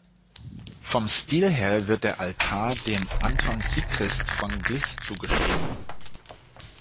Vom Stil her wird der Altar dem "Anton Sigrist" von Glis zugeschrieben.